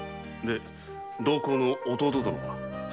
同行の弟殿は？